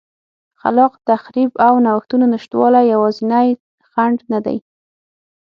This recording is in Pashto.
خلاق تخریب او نوښتونو نشتوالی یوازینی خنډ نه دی